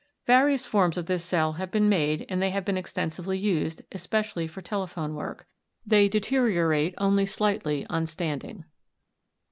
Various forms of this cell have been made and they have been extensively used, especially for telephone ^work. They deteriorate only slightly on standing.